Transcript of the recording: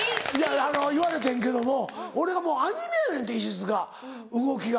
言われてんけども俺がもうアニメやねんて石塚動きが。